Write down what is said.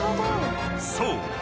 ［そう！